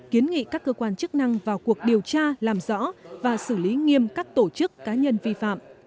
kiến nghị các cơ quan chức năng vào cuộc điều tra làm rõ và xử lý nghiêm các tổ chức cá nhân vi phạm